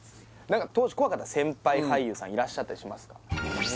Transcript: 何か当時怖かった先輩俳優さんいらっしゃったりしますか？